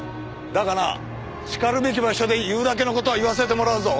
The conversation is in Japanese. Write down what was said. だがなしかるべき場所で言うだけの事は言わせてもらうぞ。